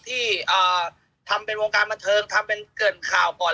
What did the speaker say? ที่ทำเป็นวงการบันเทิงทำเป็นเกริ่นข่าวก่อน